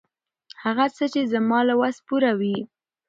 هغه څه، چې زما له وس پوره وي.